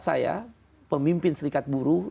saya pemimpin serikat buruh